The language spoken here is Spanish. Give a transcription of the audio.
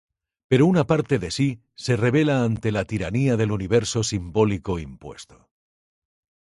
Pero una parte de sí se rebela ante la tiranía del Universo simbólico impuesto.